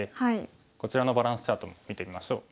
こちらのバランスチャートも見てみましょう。